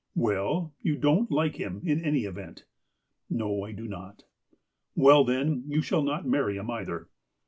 " Well, you don't like him, in any event? " "No, I do not." " Well, then, you shall not marry him, either."